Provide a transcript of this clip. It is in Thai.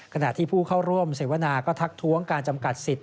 ขณะที่ผู้เข้าร่วมเสวนาก็ทักท้วงการจำกัดสิทธิ